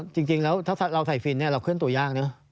จริงแล้วถ้าเราใส่ฟิลล์เนี่ยเราเคลื่อนตัวยากเนี่ย